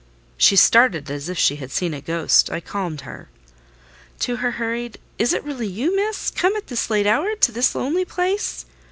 She started as if she had seen a ghost: I calmed her. To her hurried "Is it really you, miss, come at this late hour to this lonely place?"